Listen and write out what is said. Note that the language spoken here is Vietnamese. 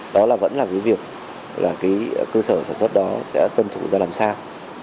đó là vẫn là cái việc cơ sở sản xuất đó sẽ tuân thủ ra làm sao